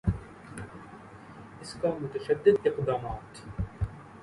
اس کا متشدد اقدامات